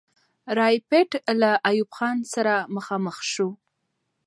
رایپټ له ایوب خان سره مخامخ سو.